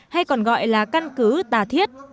hay còn gọi là căn cứ tà thiết